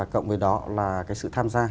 cộng với đó là cái sự tham gia